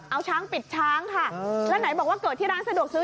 เอาช้างปิดช้างค่ะแล้วไหนบอกว่าเกิดที่ร้านสะดวกซื้อ